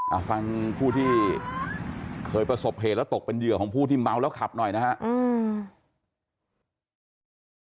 เอาฟังผู้ที่เคยประสบเหตุแล้วตกเป็นเหยื่อของผู้ที่เมาแล้วขับหน่อยนะฮะอืม